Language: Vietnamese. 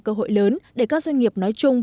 cơ hội lớn để các doanh nghiệp nói chung